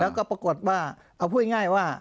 แล้วก็ปรากฏว่าเอาพูดง่ายว่า